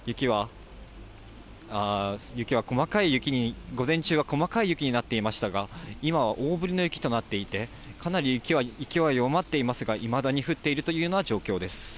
雪は午前中は細かい雪になっていましたが、今は大ぶりの雪となっていて、かなり雪は勢いは弱まっていますが、いまだに降っているというような状況です。